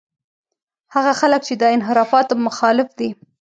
هغه خلک چې د انحرافاتو مخالف دي.